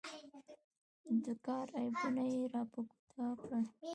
د کار عیبونه یې را په ګوته کړل.